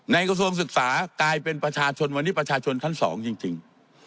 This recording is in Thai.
กระทรวงศึกษากลายเป็นประชาชนวันนี้ประชาชนชั้น๒จริง